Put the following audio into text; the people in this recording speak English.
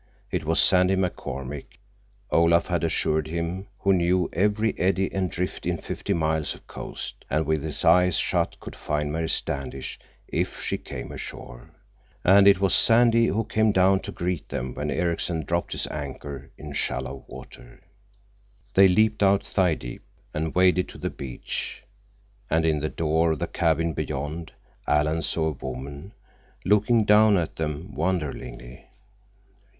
It was Sandy McCormick, Olaf had assured him, who knew every eddy and drift in fifty miles of coast, and with his eyes shut could find Mary Standish if she came ashore. And it was Sandy who came down to greet them when Ericksen dropped his anchor in shallow water. They leaped out, thigh deep, and waded to the beach, and in the door of the cabin beyond Alan saw a woman looking down at them wonderingly.